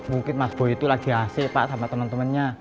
mungkin mas boy tuh lagi ac pak sama temen temennya